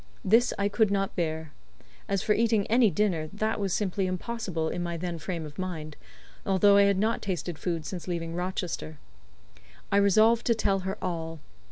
This I could not bear. As for eating any dinner, that was simply impossible in my then frame of mind, although I had not tasted food since leaving Rochester. I resolved to tell her all.